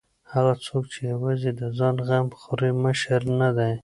هغه څوک چې یوازې د ځان غم خوري مشر نه دی.